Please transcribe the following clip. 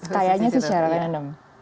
kayaknya secara random